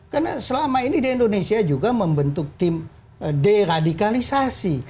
karena selama ini di indonesia juga membentuk tim deradikalisasi